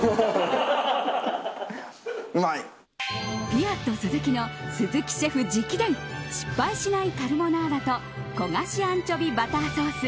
ピアットスズキの鈴木シェフ直伝失敗しないカルボナーラと焦がしアンチョビバターソース